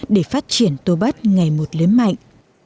để phát triển tô bắt ngày một lớn mạnh